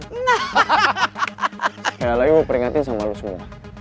sekali lagi mau peringatin sama lo semua